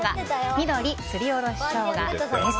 緑、すりおろしショウガ。